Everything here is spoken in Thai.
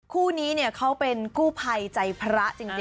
คู่นี้เนี่ยเขาเป็นกู้ภัยใจพระจริง